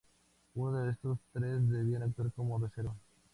Uno de estos tres debía actuar como reserva.